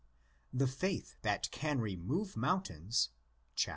27). The faith that can remove mountains (Χ111.